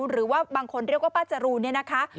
หรือว่าบางคนเรียกว่าป้าจรูนเนี่ยนะคะ